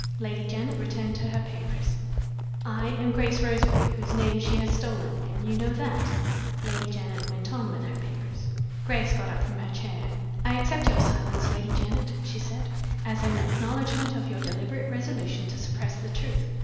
Lady Janet returned to her papers. "I am Grace Roseberry, whose name she has stolen, and you know that." Lady Janet went on with her papers. Grace got up from her chair. "I accept your silence, Lady Janet," she said, "as an acknowledgment of your deliberate resolution to suppress the truth.